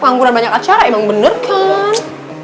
pengangguran banyak acara emang bener kan